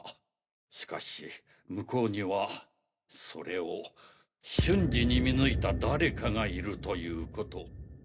しかし向こうにはそれを瞬時に見抜いた誰かがいるということ。